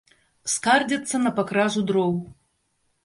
Скардзяцца на пакражу дроў.